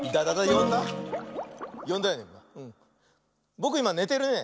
ぼくいまねてるね。